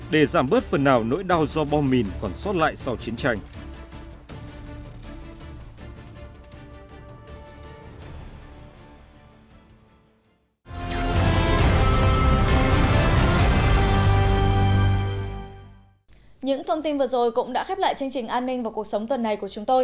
để giảm bớt phần nào nỗi đau do bom mỉn còn xót lại sau chiến tranh